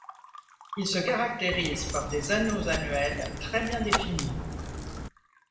Il se caractérise par des anneaux annuels très bien définis.